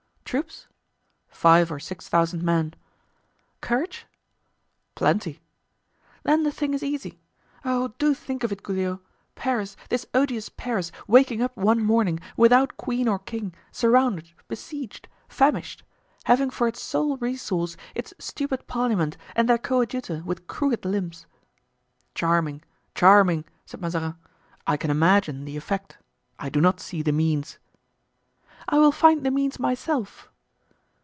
"Troops?" "Five or six thousand men." "Courage?" "Plenty." "Then the thing is easy. Oh! do think of it, Giulio! Paris, this odious Paris, waking up one morning without queen or king, surrounded, besieged, famished—having for its sole resource its stupid parliament and their coadjutor with crooked limbs!" "Charming! charming!" said Mazarin. "I can imagine the effect, I do not see the means." "I will find the means myself."